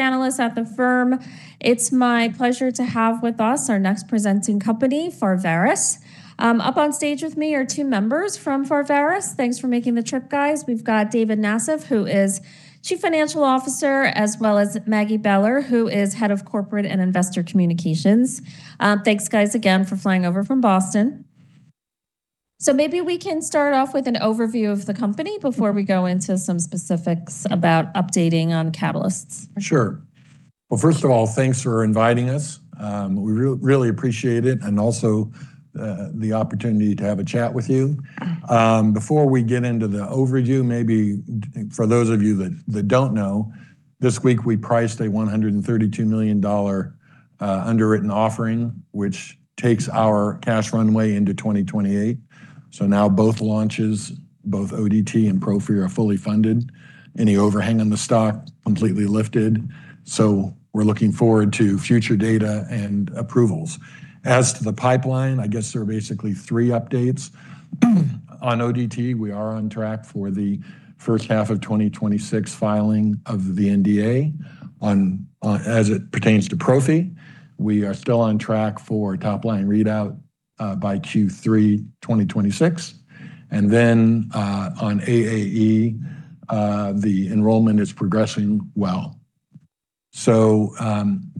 Analyst at the firm. It's my pleasure to have with us our next presenting company, Pharvaris. Up on stage with me are two members from Pharvaris. Thanks for making the trip, guys. We've got David Nassif, who is Chief Financial Officer, as well as Maggie Beller, who is Head of Corporate and Investor Communications. Thanks guys again for flying over from Boston. Maybe we can start off with an overview of the company before we go into some specifics about updating on catalysts. Sure. Well, first of all, thanks for inviting us. We really appreciate it, and also, the opportunity to have a chat with you. Before we get into the overview, for those of you that don't know, this week we priced a EUR 132 million underwritten offering, which takes our cash runway into 2028. Now both launches, both ODT and Prophy are fully funded. Any overhang on the stock, completely lifted. We're looking forward to future data and approvals. As to the pipeline, I guess there are basically three updates. On ODT, we are on track for the first half of 2026 filing of the NDA. As it pertains to Prophy, we are still on track for top line readout by Q3 2026. On AAE, the enrollment is progressing well.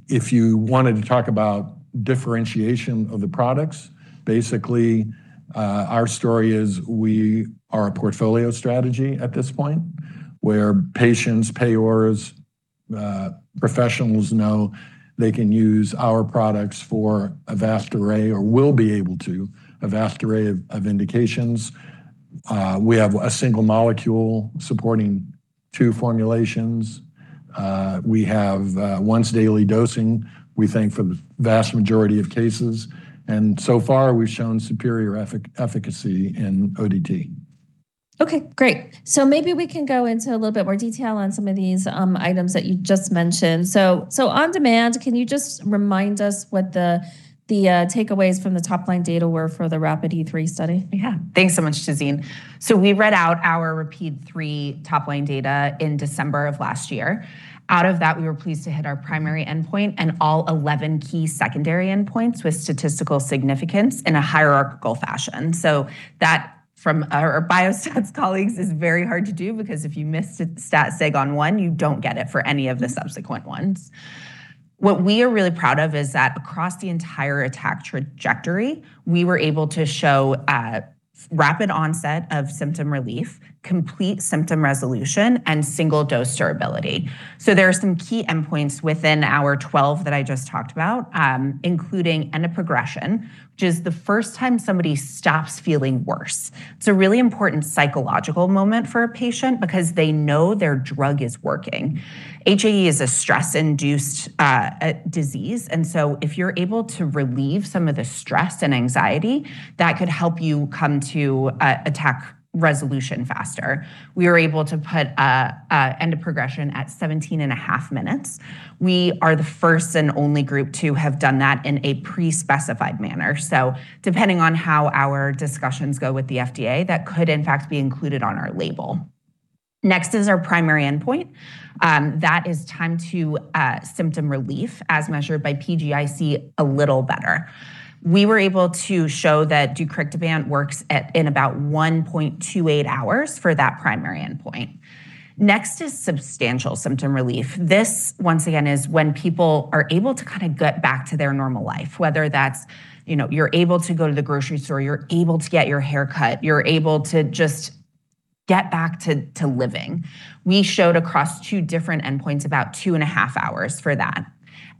If you wanted to talk about differentiation of the products, basically, our story is we are a portfolio strategy at this point, where patients, payers, professionals know they can use our products for a vast array, or will be able to, a vast array of indications. We have a single molecule supporting two formulations. We have once-daily dosing, we think for the vast majority of cases. So far, we've shown superior efficacy in ODT. Okay, great. Maybe we can go into a little bit more detail on some of these items that you just mentioned. On-demand, can you just remind us what the takeaways from the top line data were for the RAPIDe-3 study? Yeah. Thanks so much, Tazeen. We read out our RAPIDe-3 top line data in December of last year. Out of that, we were pleased to hit our primary endpoint and all 11 key secondary endpoints with statistical significance in a hierarchical fashion. That from our biostats colleagues is very hard to do, because if you miss the stat sig on one, you don't get it for any of the subsequent ones. What we are really proud of is that across the entire attack trajectory, we were able to show rapid onset of symptom relief, complete symptom resolution, and single dose durability. There are some key endpoints within our 12 that I just talked about, including End of Progression, which is the first time somebody stops feeling worse. It's a really important psychological moment for a patient because they know their drug is working. HAE is a stress-induced disease. If you're able to relieve some of the stress and anxiety, that could help you come to attack resolution faster. We were able to put end of progression at 17.5 minutes. We are the first and only group to have done that in a pre-specified manner. Depending on how our discussions go with the FDA, that could in fact be included on our label. Next is our primary endpoint. That is time to symptom relief as measured by PGIC a little better. We were able to show that deucrictibant works in about 1.28 hours for that primary endpoint. Next is substantial symptom relief. This, once again, is when people are able to kind of get back to their normal life, whether that's, you know, you're able to go to the grocery store, you're able to get your hair cut, you're able to just get back to living. We showed across two different endpoints about two and a half hours for that.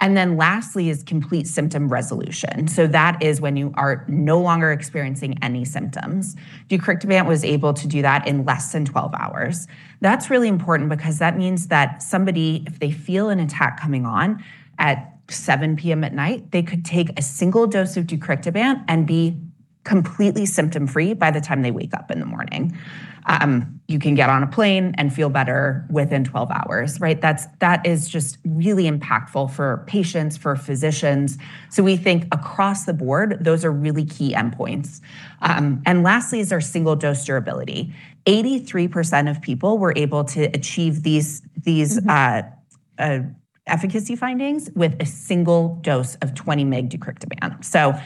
Lastly is complete symptom resolution. That is when you are no longer experiencing any symptoms. Deucrictibant was able to do that in less than 12 hours. That's really important because that means that somebody, if they feel an attack coming on at 7 P.M. at night, they could take a single dose of deucrictibant and be completely symptom-free by the time they wake up in the morning. You can get on a plane and feel better within 12 hours, right? That's, that is just really impactful for patients, for physicians. We think across the board, those are really key endpoints. Lastly is our single-dose durability. 83% of people were able to achieve these efficacy findings with a single dose of 20 mg deucrictibant.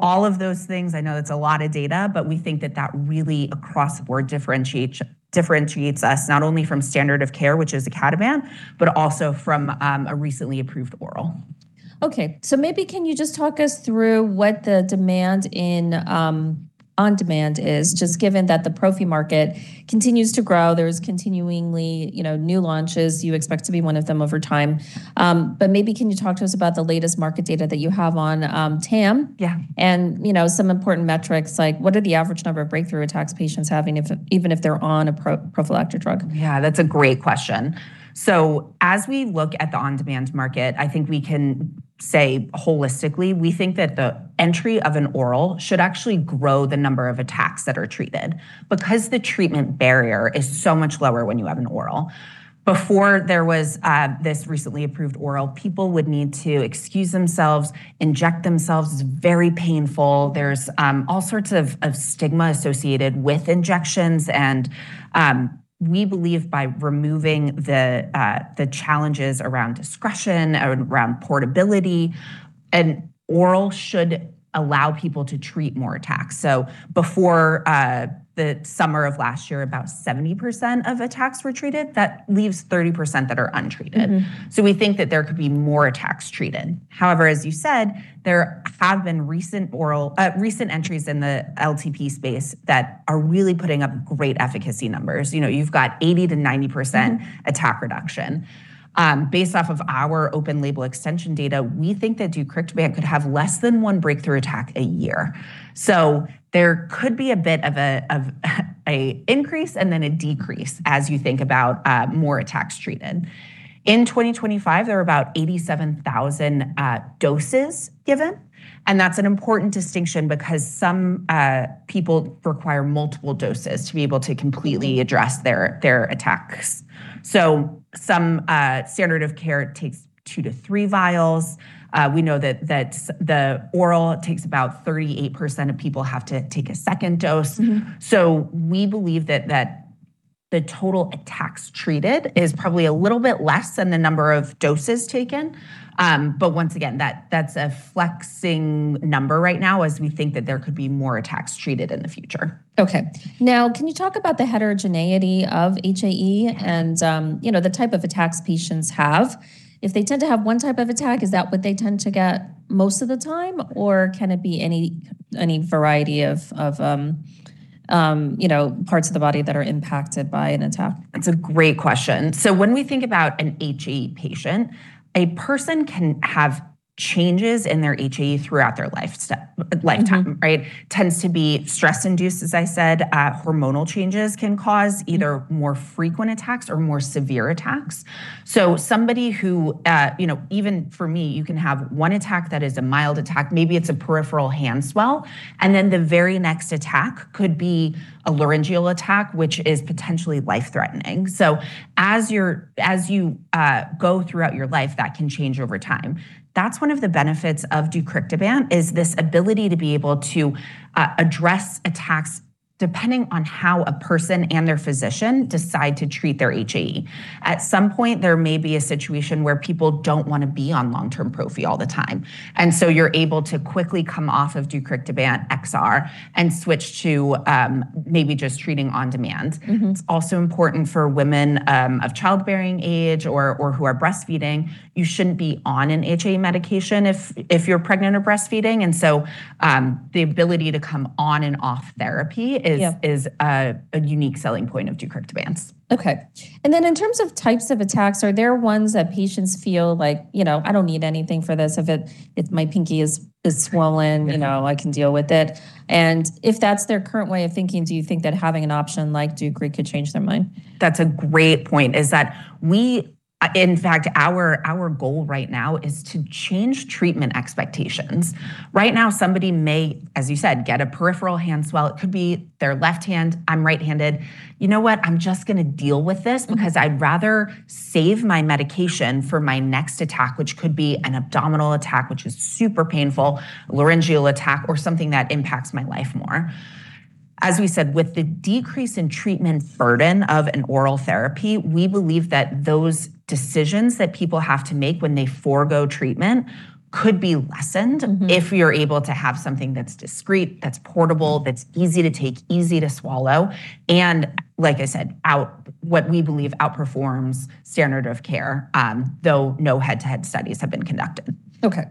All of those things, I know that's a lot of data, but we think that that really across the board differentiates us not only from standard of care, which is icatibant, but also from ORLADEYO. Okay. Maybe can you just talk us through what the demand in On-demand is just given that the prophy market continues to grow. There's continuingly, you know, new launches. You expect to be one of them over time. Maybe can you talk to us about the latest market data that you have on TAM? Yeah. You know, some important metrics like what are the average number of breakthrough attacks patients having if, even if they're on a prophylactic drug? Yeah, that's a great question. As we look at the on-demand market, I think we can say holistically, we think that the entry of an oral should actually grow the number of attacks that are treated because the treatment barrier is so much lower when you have an oral. Before there was this recently approved oral, people would need to excuse themselves, inject themselves. It's very painful. There's all sorts of stigma associated with injections. We believe by removing the challenges around discretion, around portability, an oral should allow people to treat more attacks. Before the summer of last year, about 70% of attacks were treated, that leaves 30% that are untreated. We think that there could be more attacks treated. However, as you said, there have been recent entries in the LTP space that are really putting up great efficacy numbers. You know, you've got 80%-90% attack reduction. Based off of our open label extension data, we think that deucrictibant could have less than one breakthrough attack a year. There could be a bit of a increase and then a decrease as you think about more attacks treated. In 2025, there were about 87,000 doses given, and that's an important distinction because some people require multiple doses to be able to completely address their attacks. Some standard of care takes 2-3 vials. We know that the oral takes about 38% of people have to take a second dose. We believe that the total attacks treated is probably a little bit less than the number of doses taken. Once again, that's a flexing number right now as we think that there could be more attacks treated in the future. Okay. Can you talk about the heterogeneity of HAE and, you know, the type of attacks patients have? If they tend to have one type of attack, is that what they tend to get most of the time, or can it be any variety of, you know, parts of the body that are impacted by an attack? That's a great question. When we think about an HAE patient, a person can have changes in their HAE throughout their lifetime. Right? Tends to be stress-induced, as I said. Hormonal changes can cause either more frequent attacks or more severe attacks. Somebody who, you know, even for me, you can have one attack that is a mild attack. Maybe it's a peripheral hand swell, and then the very next attack could be a laryngeal attack, which is potentially life-threatening. As you go throughout your life, that can change over time. That's one of the benefits of deucrictibant is this ability to be able to address attacks depending on how a person and their physician decide to treat their HAE. At some point, there may be a situation where people don't wanna be on long-term prophy all the time. You're able to quickly come off of deucrictibant XR and switch to maybe just treating on demand. It's also important for women of childbearing age or who are breastfeeding. You shouldn't be on an HAE medication if you're pregnant or breastfeeding. So the ability to come on and off therapy is a unique selling point of deucrictibant. Okay. Then in terms of types of attacks, are there ones that patients feel like, you know, "I don't need anything for this. If my pinky is swollen? You know, I can deal with it." If that's their current way of thinking, do you think that having an option like deucrictibant could change their mind? That's a great point, is that we, in fact, our goal right now is to change treatment expectations. Right now, somebody may, as you said, get a peripheral hand swell. It could be their left hand. I'm right-handed. You know what? I'm just gonna deal with this because I'd rather save my medication for my next attack, which could be an abdominal attack, which is super painful, laryngeal attack, or something that impacts my life more. As we said, with the decrease in treatment burden of an oral therapy, we believe that those decisions that people have to make when they forego treatment could be lessened. If you're able to have something that's discreet, that's portable, that's easy to take, easy to swallow, and like I said, what we believe outperforms standard of care, though no head-to-head studies have been conducted. Okay.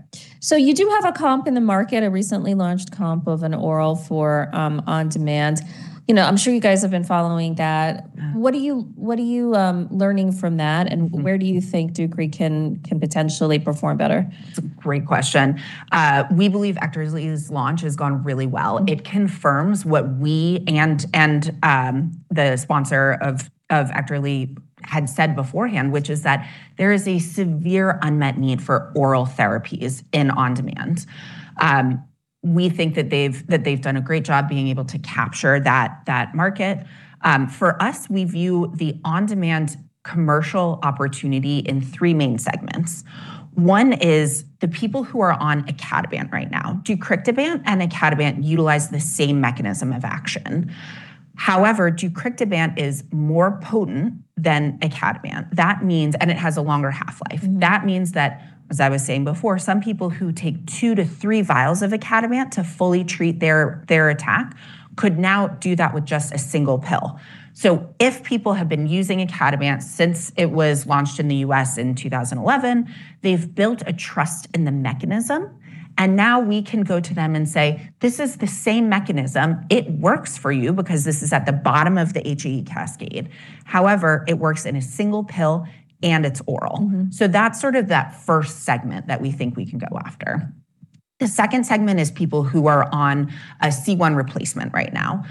You do have a comp in the market, a recently launched comp of an oral for on-demand. You know, I'm sure you guys have been following that. Yeah. What are you learning from that, and where do you think deucrictibant can potentially perform better? It's a great question. We believe EKTERLY's launch has gone really well. It confirms what we and the sponsor of EKTERLY had said beforehand, which is that there is a severe unmet need for oral therapies in on-demand. We think that they've done a great job being able to capture that market. For us, we view the on-demand commercial opportunity in three main segments. One is the people who are on icatibant right now. Deucrictibant and icatibant utilize the same mechanism of action. However, deucrictibant is more potent than icatibant. And it has a longer half-life. That means that, as I was saying before, some people who take 2-3 vials of icatibant to fully treat their attack could now do that with just a single pill. If people have been using icatibant since it was launched in the U.S. in 2011, they've built a trust in the mechanism, and now we can go to them and say, "This is the same mechanism. It works for you because this is at the bottom of the HAE cascade. However, it works in a single pill, and it's oral. That's sort of that first segment that we think we can go after. The second segment is people who are on a C1 replacement right now.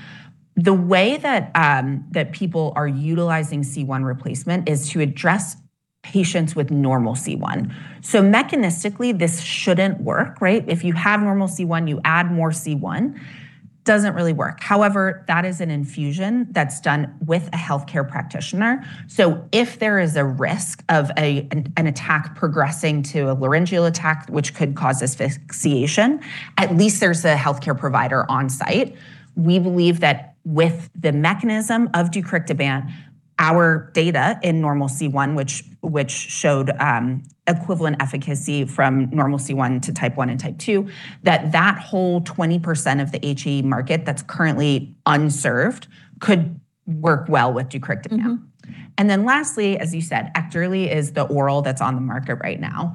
The way that people are utilizing C1 replacement is to address patients with normal C1. Mechanistically, this shouldn't work, right? If you have normal C1, you add more C1, doesn't really work. However, that is an infusion that's done with a healthcare practitioner. If there is a risk of an attack progressing to a laryngeal attack which could cause asphyxiation, at least there's a healthcare provider on site. We believe that with the mechanism of deucrictibant, our data in normal C1, which showed equivalent efficacy from normal C1 to Type I and Type II, that that whole 20% of the HAE market that's currently unserved could work well with deucrictibant. Lastly, as you said, EKTERLY is the oral that's on the market right now.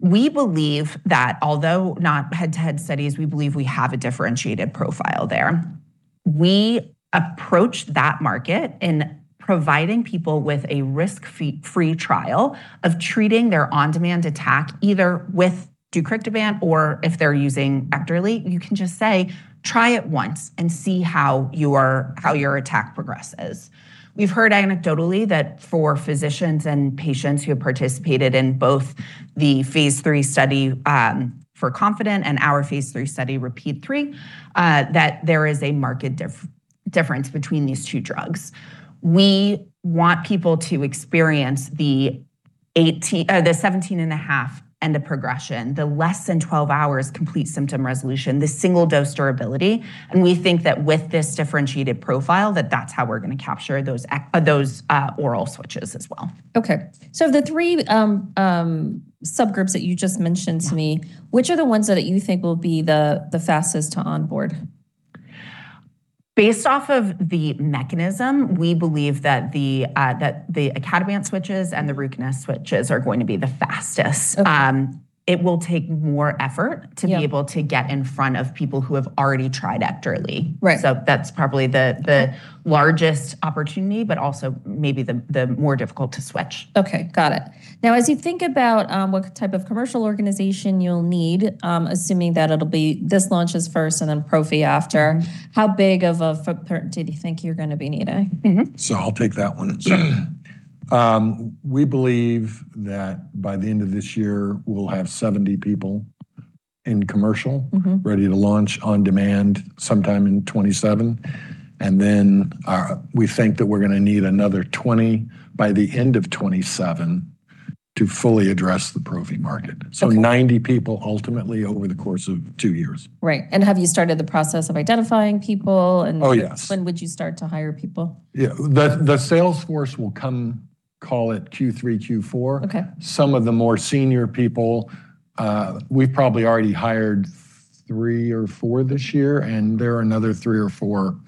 We believe that although not head-to-head studies, we believe we have a differentiated profile there. We approach that market in providing people with a risk fee, free trial of treating their on-demand attack either with deucrictibant or if they're using EKTERLY, you can just say, "Try it once and see how your attack progresses." We've heard anecdotally that for physicians and patients who have participated in both the Phase III study for KONFIDENT and our Phase III study, RAPIDe-3, that there is a marked difference between these two drugs. We want people to experience the 17.5 and the progression, the less than 12 hours complete symptom resolution, the single-dose durability. We think that with this differentiated profile, that that's how we're gonna capture those oral switches as well. Okay. The three subgroups that you just mentioned to me, which are the ones that you think will be the fastest to onboard? Based off of the mechanism, we believe that the icatibant switches and the Ruconest switches are going to be the fastest. Okay. Um, it will take more effort- Yeah To be able to get in front of people who have already tried EKTERLY. Right. So that's probably the largest opportunity, but also maybe the more difficult to switch. Okay. Got it. As you think about what type of commercial organization you'll need, assuming that it'll be this launches first and then prophy after. How big of a footprint did you think you're gonna be needing? I'll take that one. We believe that by the end of this year, we'll have 70 people ready to launch on demand sometime in 2027. We think that we're gonna need another 20 by the end of 2027 to fully address the Prophy market. Okay. 90 people ultimately over the course of two years. Right. Have you started the process of identifying people? Oh, yes. When would you start to hire people? Yeah. The sales force will come, call it Q3, Q4. Okay. Some of the more senior people, we've probably already hired three or four this year. There are another three or four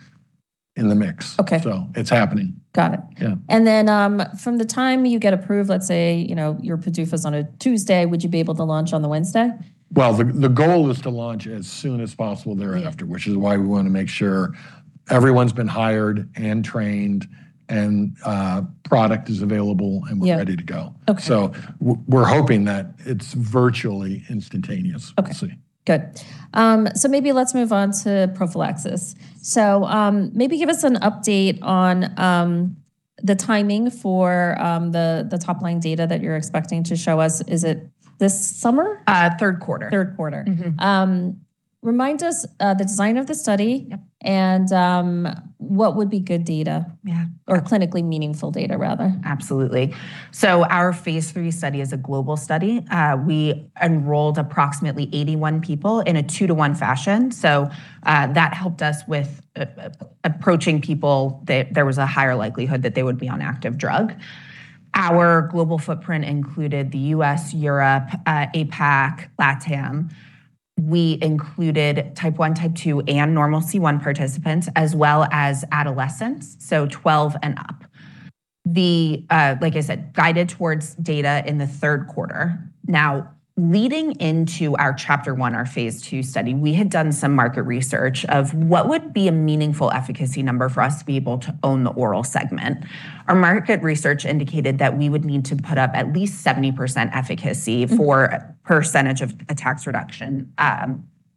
in the mix. Okay. It's happening. Got it. Yeah. From the time you get approved, let's say, you know, your PDUFA's on a Tuesday, would you be able to launch on the Wednesday? Well, the goal is to launch as soon as possible thereafter. Yeah Which is why we wanna make sure everyone's been hired and trained and, product is available. Yeah Ready to go. Okay. We're hoping that it's virtually instantaneous. Okay. We'll see. Good. Maybe let's move on to prophylaxis. Maybe give us an update on the timing for the top-line data that you're expecting to show us. Is it this summer? Third quarter. Third quarter. Remind us, the design of the study? Yep And, um, what would be good data- Yeah Clinically meaningful data rather. Absolutely. Our phase III study is a global study. We enrolled approximately 81 people in a 2-to-1 fashion. That helped us with approaching people that there was a higher likelihood that they would be on active drug. Our global footprint included the U.S., Europe, APAC, LATAM. We included Type I, Type II, and normal C1 participants, as well as adolescents, so 12 and up. The, like I said, guided towards data in the third quarter. Leading into our CHAPTER-1, our phase II study, we had done some market research of what would be a meaningful efficacy number for us to be able to own the oral segment. Our market research indicated that we would need to put up at least 70% efficacy for percentage of attacks reduction,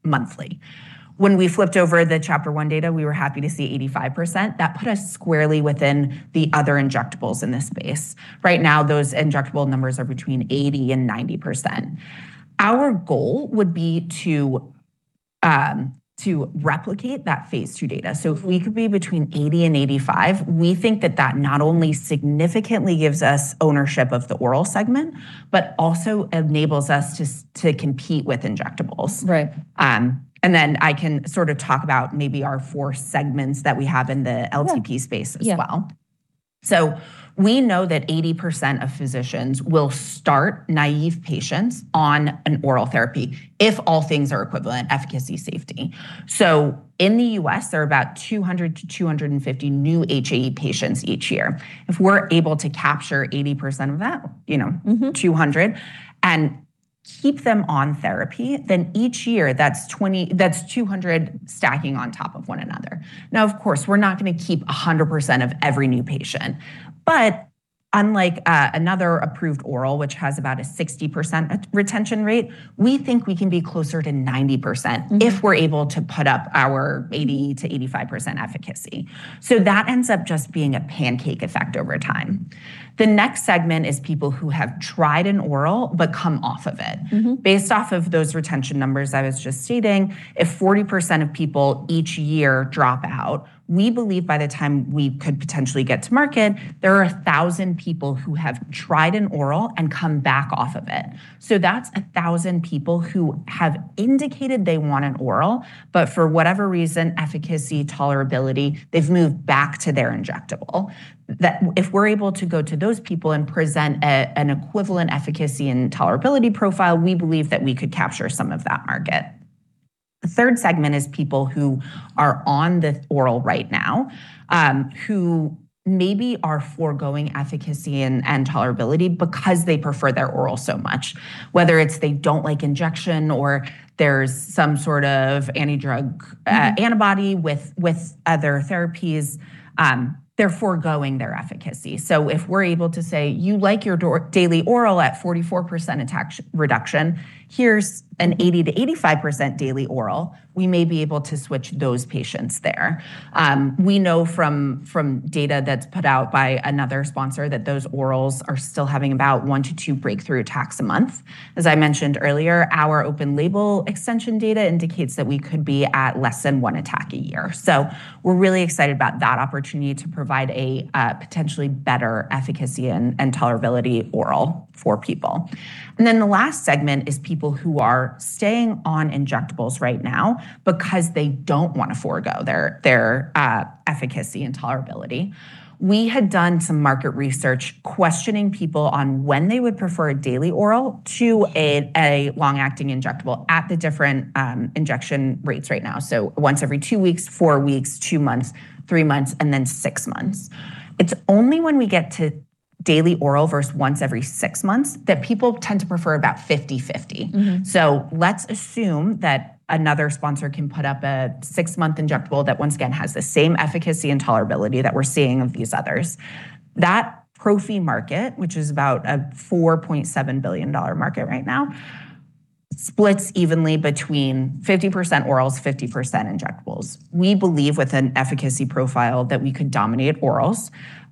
monthly. When we flipped over the CHAPTER-1 data, we were happy to see 85%. That put us squarely within the other injectables in this space. Right now, those injectable numbers are between 80 and 90%. Our goal would be to replicate that Phase II data. If we could be between 80 and 85, we think that that not only significantly gives us ownership of the oral segment but also enables us to compete with injectables. Right. I can sort of talk about maybe our four segments that we have in the LTP space as well. Yeah. Yeah. We know that 80% of physicians will start naive patients on an oral therapy if all things are equivalent, efficacy, safety. In the U.S., there are about 200-250 new HAE patients each year. If we're able to capture 80% of that, you know. 200, and keep them on therapy, then each year that's 200 stacking on top of one another. Unlike another approved oral, which has about a 60% retention rate, we think we can be closer to 90%. If we're able to put up our 80% to 85% efficacy. That ends up just being a pancake effect over time. The next segment is people who have tried an oral but come off of it. Based off of those retention numbers I was just stating, if 40% of people each year drop out, we believe by the time we could potentially get to market, there are 1,000 people who have tried an oral and come back off of it. That's 1,000 people who have indicated they want an oral, but for whatever reason, efficacy, tolerability, they've moved back to their injectable. That if we're able to go to those people and present an equivalent efficacy and tolerability profile, we believe that we could capture some of that market. The third segment is people who are on the oral right now, who maybe are foregoing efficacy and tolerability because they prefer their oral so much. Whether it's they don't like injection, or there's some sort of anti-drug. Antibody with other therapies, they're foregoing their efficacy. If we're able to say, "You like your daily oral at 44% attack reduction. Here's an 80%-85% daily oral," we may be able to switch those patients there. We know from data that's put out by another sponsor that those orals are still having about 1- 2 breakthrough attacks a month. As I mentioned earlier, our open-label extension data indicates that we could be at less than one attack a year. We're really excited about that opportunity to provide a potentially better efficacy and tolerability oral for people. And then the last segment is people who are staying on injectables right now because they don't want to forego their efficacy and tolerability. We had done some market research questioning people on when they would prefer a daily oral to a long-acting injectable at the different injection rates right now. Once every two weeks, four weeks, two months, three months, and then six months. It's only when we get to daily oral versus once every six months that people tend to prefer about 50/50. Let's assume that another sponsor can put up a six-month injectable that, once again, has the same efficacy and tolerability that we're seeing with these others. That prophy market, which is about a $4.7 billion market right now, splits evenly between 50% orals, 50% injectables.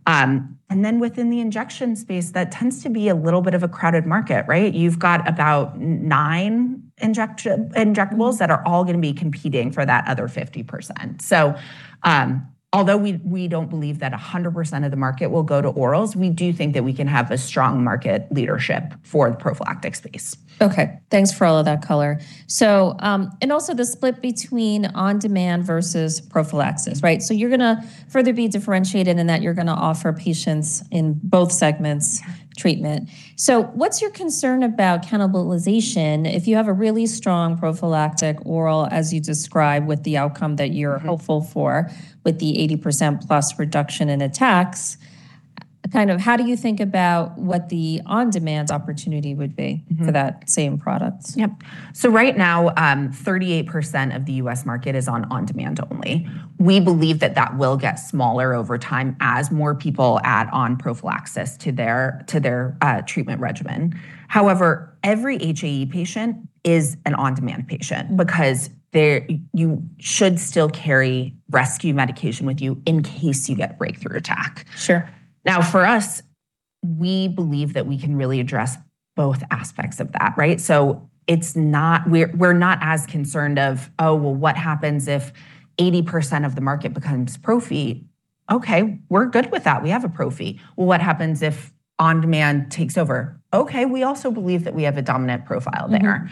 Within the injection space, that tends to be a little bit of a crowded market, right? You've got about nine injectables that are all going to be competing for that other 50%. Although we don't believe that 100% of the market will go to orals, we do think that we can have a strong market leadership for the prophylactic space. Okay. Thanks for all of that color. The split between on-demand versus prophylaxis, right? You're going to further be differentiated in that you're going to offer patients in both segments treatment. What's your concern about cannibalization if you have a really strong prophylactic oral, as you describe, with the outcome that you're hopeful for, with the 80%+ reduction in attacks? Kind of how do you think about what the on-demand opportunity would be for that same product? Yep. Right now, 38% of the U.S. market is on on-demand only. We believe that that will get smaller over time as more people add on prophylaxis to their treatment regimen. However, every HAE patient is an on-demand patient. You should still carry rescue medication with you in case you get breakthrough attack. Sure. For us, we believe that we can really address both aspects of that, right? We're not as concerned of what happens if 80% of the market becomes Prophy? We're good with that. We have a Prophy. What happens if on-demand takes over? We also believe that we have a dominant profile there.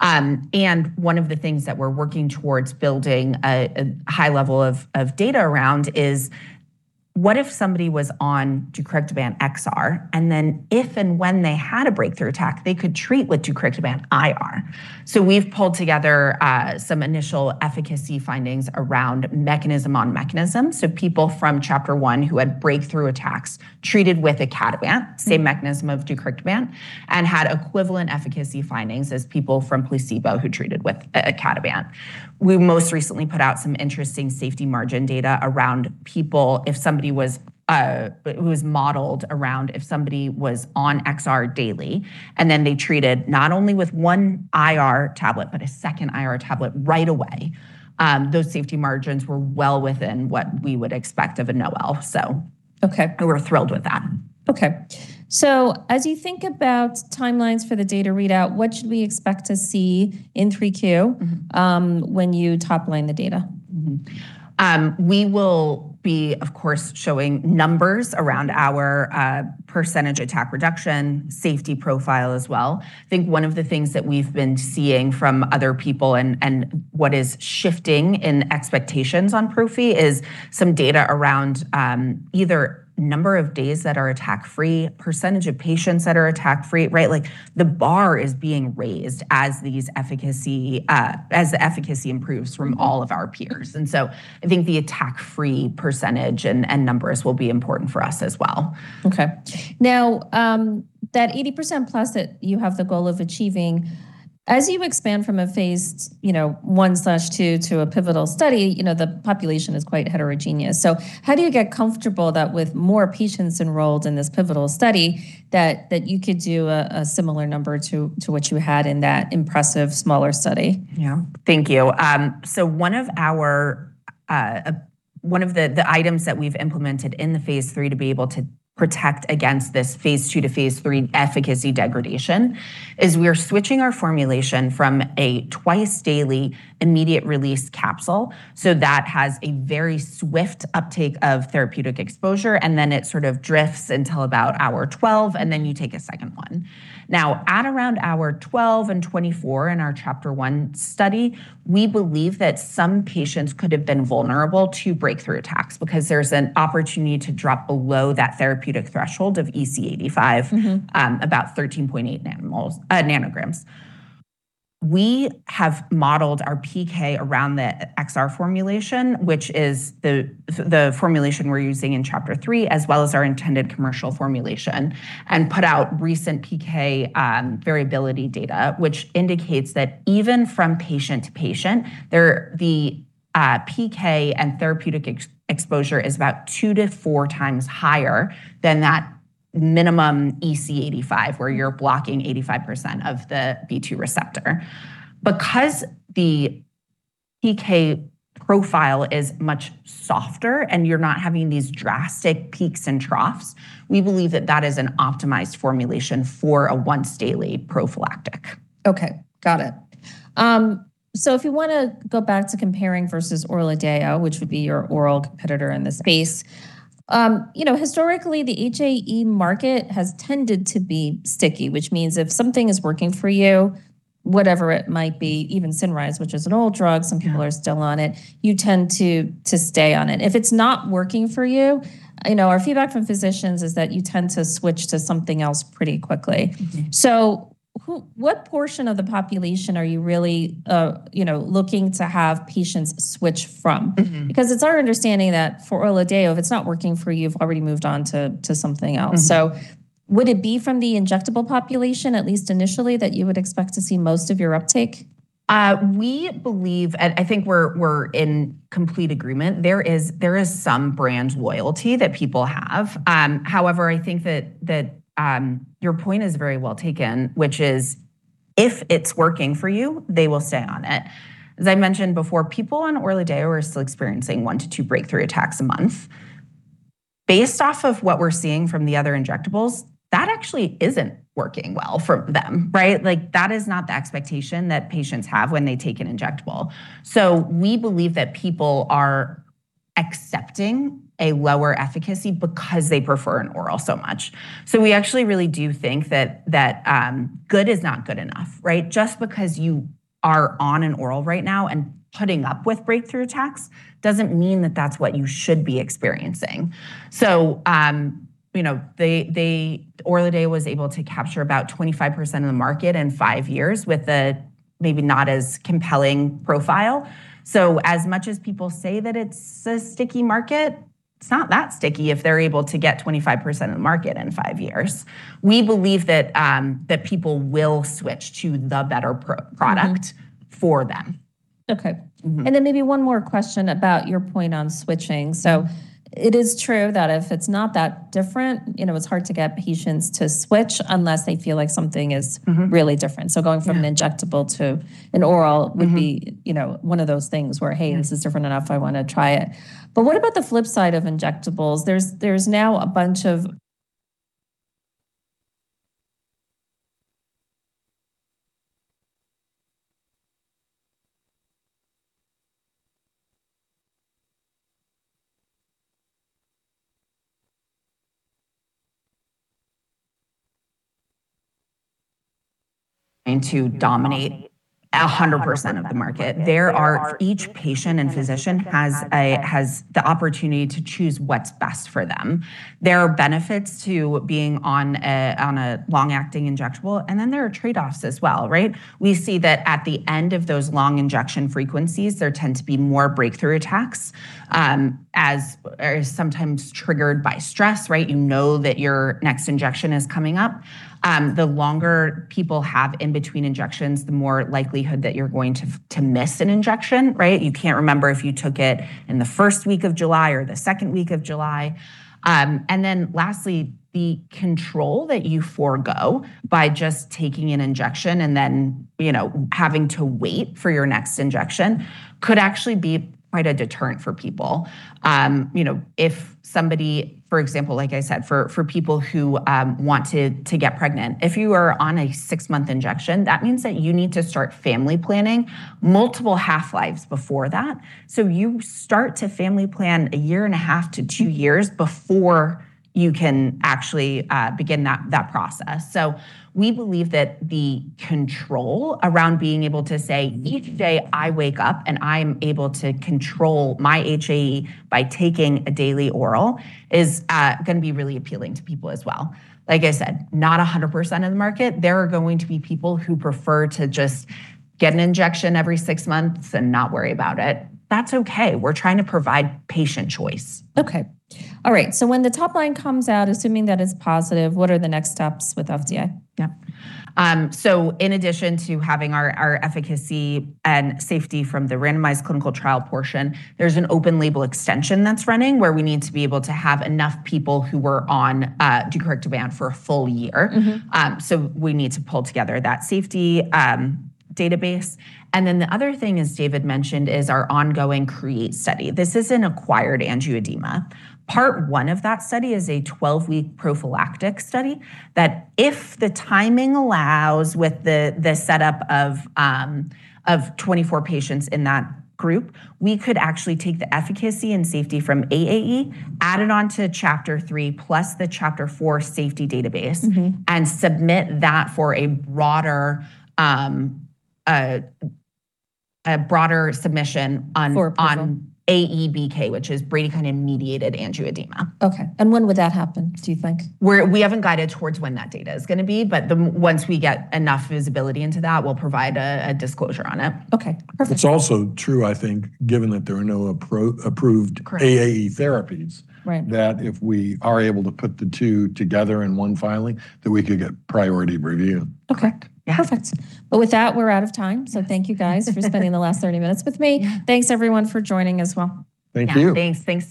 One of the things that we're working towards building a high level of data around is what if somebody was on deucrictibant XR, then if and when they had a breakthrough attack, they could treat with deucrictibant IR. We've pulled together some initial efficacy findings around mechanism on mechanism. People from CHAPTER-1 who had breakthrough attacks treated with icatibant. Same mechanism of deucrictibant, and had equivalent efficacy findings as people from placebo who treated with icatibant. We most recently put out some interesting safety margin data around people, if somebody was, it was modeled around if somebody was on XR daily, and then they treated not only with one IR tablet, but a second IR tablet right away. Those safety margins were well within what we would expect of a NOAEL. Okay We're thrilled with that. Okay. As you think about timelines for the data readout, what should we expect to see in 3Q? When you top line the data? We will be, of course, showing numbers around our percentage attack reduction, safety profile as well. I think one of the things that we've been seeing from other people and what is shifting in expectations on Prophy is some data around either number of days that are attack-free, percentage of patients that are attack-free, right? Like the bar is being raised as these efficacy, as the efficacy improves from all of our peers. I think the attack-free percentage and numbers will be important for us as well. That 80% plus that you have the goal of achieving. As you expand from a phase I/II to a pivotal study, you know, the population is quite heterogeneous. How do you get comfortable that with more patients enrolled in this pivotal study that you could do a similar number to what you had in that impressive smaller study? Yeah. Thank you. One of our, one of the items that we've implemented in the phase III to be able to protect against this phase II to phase III efficacy degradation is we are switching our formulation from a twice-daily immediate release capsule. That has a very swift uptake of therapeutic exposure, and then it sort of drifts until about hour 12, and then you take a second one. At around hour 12 and 24 in our CHAPTER-1 study, we believe that some patients could have been vulnerable to breakthrough attacks because there's an opportunity to drop below that therapeutic threshold of EC85 about 13.8 nanmols, nanograms. We have modeled our PK around the XR formulation, which is the formulation we're using in CHAPTER-3, as well as our intended commercial formulation, and put out recent PK variability data, which indicates that even from patient to patient, there the PK and therapeutic exposure is about 2- 4 times higher than that minimum EC85, where you're blocking 85% of the B2 receptor. Because the PK profile is much softer and you're not having these drastic peaks and troughs, we believe that that is an optimized formulation for a once daily prophylactic. Okay. Got it. If you wanna go back to comparing versus ORLADEYO, which would be your oral competitor in this space. You know, historically, the HAE market has tended to be sticky, which means if something is working for you, whatever it might be, even Cinryze, which is an old drug. Yeah Some people are still on it, you tend to stay on it. If it's not working for you know, our feedback from physicians is that you tend to switch to something else pretty quickly. Who what portion of the population are you really, you know, looking to have patients switch from? It's our understanding that for ORLADEYO, if it's not working for you've already moved on to something else. Would it be from the injectable population, at least initially, that you would expect to see most of your uptake? We believe, and I think we're in complete agreement, there is some brand loyalty that people have. However, I think that, your point is very well taken, which is if it's working for you, they will stay on it. As I mentioned before, people on ORLADEYO are still experiencing 1 - 2 breakthrough attacks a month. Based off of what we're seeing from the other injectables, that actually isn't working well for them, right. Like, that is not the expectation that patients have when they take an injectable. We believe that people are accepting a lower efficacy because they prefer an oral so much. We actually really do think that, good is not good enough, right. Just because you are on an oral right now and putting up with breakthrough attacks doesn't mean that that's what you should be experiencing. You know, ORLADEYO was able to capture about 25% of the market in five years with a maybe not as compelling profile. As much as people say that it's a sticky market, it's not that sticky if they're able to get 25% of the market in five years. We believe that people will switch to the better product for them. Okay. Maybe one more question about your point on switching. So it is true that if it is not that different, you know, it is hard to get patients to switch unless they feel that something is really different so going from an injectable to an oral would be, you know, one of those things where. Hey, this is different enough, I wanna try it. What about the flip side of injectables? There's now a bunch of. To dominate 100% of the market. Each patient and physician has the opportunity to choose what's best for them. There are benefits to being on a long-acting injectable, there are trade-offs as well, right? We see that at the end of those long injection frequencies, there tend to be more breakthrough attacks, as are sometimes triggered by stress, right? You know that your next injection is coming up. The longer people have in between injections, the more likelihood that you're going to miss an injection, right? You can't remember if you took it in the first week of July or the second week of July. Lastly, the control that you forego by just taking an injection and then, you know, having to wait for your next injection could actually be quite a deterrent for people. You know, if somebody, for example, like I said, for people who want to get pregnant, if you are on a six-month injection, that means that you need to start family planning multiple half-lives before that. You start to family plan a year and a half to two years before you can actually begin that process. We believe that the control around being able to say, "Each day I wake up, and I'm able to control my HAE by taking a daily oral," is gonna be really appealing to people as well. Like I said, not a 100% of the market. There are going to be people who prefer to just get an injection every six months and not worry about it. That's okay. We're trying to provide patient choice. Okay. All right. When the top line comes out, assuming that it's positive, what are the next steps with FDA? In addition to having our efficacy and safety from the randomized clinical trial portion, there's an open label extension that's running where we need to be able to have enough people who were on deucrictibant for a full year. We need to pull together that safety database. The other thing, as David mentioned, is our ongoing CReATE study. This is in acquired angioedema. Part one of that study is a 12-week prophylactic study that if the timing allows with the setup of 24 patients in that group, we could actually take the efficacy and safety from AAE, add it on to CHAPTER-3 plus the CHAPTER-4 safety database. Submit that for a broader submission. For approval. On AE-BK, which is bradykinin-mediated angioedema. Okay. When would that happen, do you think? We haven't guided towards when that data is gonna be, but once we get enough visibility into that, we'll provide a disclosure on it. Okay. Perfect. It's also true, I think, given that there are no approved. Correct AAE therapies. Right That if we are able to put the two together in one filing, that we could get priority review. Correct. Okay. Perfect. Well, with that, we're out of time. Thank you guys for spending the last 30 minutes with me. Yeah. Thanks everyone for joining as well. Thank you. Yeah. Thanks.